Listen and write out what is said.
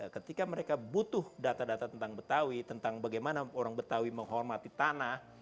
ketika mereka butuh data data tentang betawi tentang bagaimana orang betawi menghormati tanah